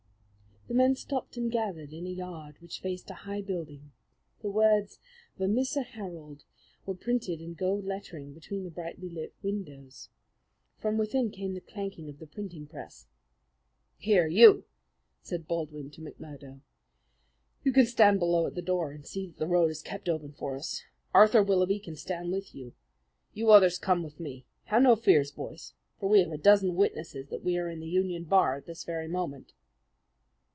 The men stopped and gathered in a yard which faced a high building. The words, "Vermissa Herald" were printed in gold lettering between the brightly lit windows. From within came the clanking of the printing press. "Here, you," said Baldwin to McMurdo, "you can stand below at the door and see that the road is kept open for us. Arthur Willaby can stay with you. You others come with me. Have no fears, boys; for we have a dozen witnesses that we are in the Union Bar at this very moment."